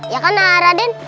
ya kan raden